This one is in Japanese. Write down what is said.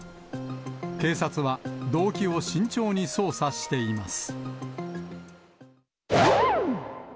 警察は、動機を慎重に捜査しています。